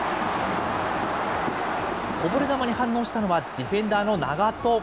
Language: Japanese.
こぼれ球に反応したのは、ディフェンダーの永戸。